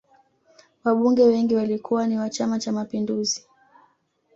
wabunge wengi walikuwa ni wa chama cha mapinduzi